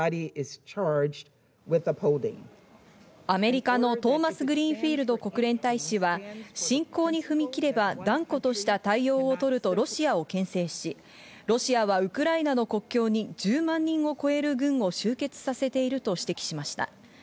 アメリカのトーマスグリーンフィールド国連大使は、侵攻に踏み切れば断固とした対応を取るとロシアを牽制し、ロシアはウクライナの国境に１０万人を超える軍を集結させていると指摘しました。